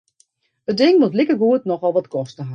It ding moat likegoed nochal wat koste ha.